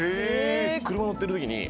車乗ってる時に。